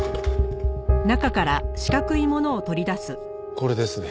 これですね。